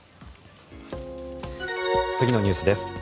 次のニュースです。